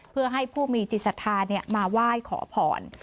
เพื่อให้ผู้มีจิตสัทธาเนี่ยมาไหว้ขอผ่อน